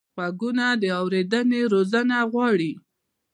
غوږونه د اورېدنې روزنه غواړي